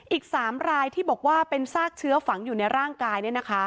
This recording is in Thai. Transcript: อีก๓รายที่บอกว่าเป็นซากเชื้อฝังอยู่ในร่างกาย